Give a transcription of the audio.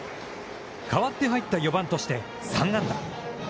代わって入った４番として、３安打！